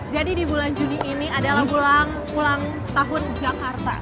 jadi di bulan juni ini adalah ulang tahun jakarta